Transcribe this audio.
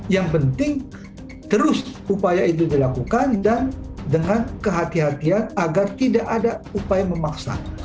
yang penting terus upaya itu dilakukan dan dengan kehatian agar tidak ada upaya memaksa